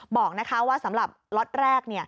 บอกว่าสำหรับล็อตแรก